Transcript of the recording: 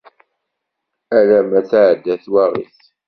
Alamma tɛedda twaɣit.